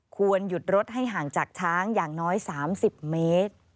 ควรหยุดรถให้ห่างจากช้างอย่างน้อย๓๐เมตร